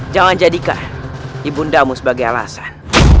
jangan jadikan ibu ndamu sebagai alasan